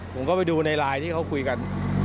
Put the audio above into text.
ผมก็ไปดูในไลน์ที่เขาคุยกัน